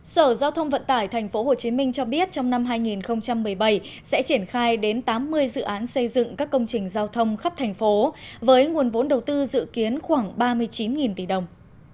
sở giao thông vận tải tp hcm cho biết trong năm hai nghìn một mươi bảy sẽ triển khai đến tám mươi dự án xây dựng các công trình giao thông khắp thành phố với nguồn vốn đầu tư dự kiến khoảng ba mươi chín tỷ đồng